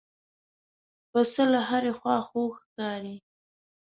پسه له هرې خوا خوږ ښکاري.